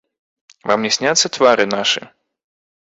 Вам не сняцца твары нашы?